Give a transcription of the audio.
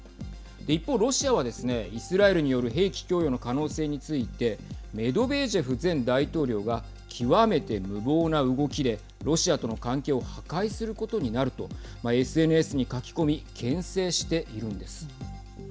一方、ロシアはですねイスラエルによる兵器供与の可能性についてメドベージェフ前大統領が極めて無謀な動きでロシアとの関係を破壊することになるとＳＮＳに書き込みけん制しているんです。